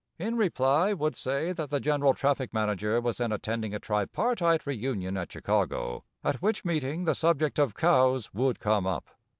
In reply would say that the general traffic manager was then attending a tripartite reunion at Chicago, at which meeting the subject of cows would come up.